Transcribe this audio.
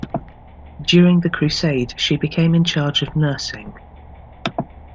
During the Crusade, she became in charge of nursing.